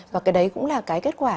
và cái đấy cũng là cái kết quả